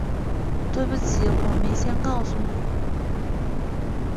对不起，我没先告诉你